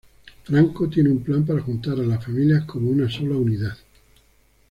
Franco tiene un plan para juntar a las familias como una sola unidad.